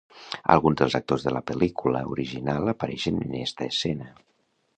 Alguns dels actors de la pel·lícula original apareixen en esta escena.